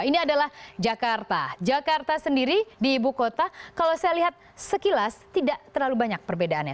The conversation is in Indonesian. ini adalah jakarta jakarta sendiri di ibu kota kalau saya lihat sekilas tidak terlalu banyak perbedaannya